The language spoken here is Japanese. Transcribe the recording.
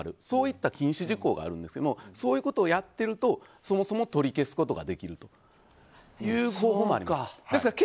そういった禁止事項があるんですがそういうことをやっているとそもそも取り消すことができるという方法もあります。